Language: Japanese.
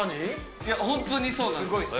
いや、本当にそうなんです。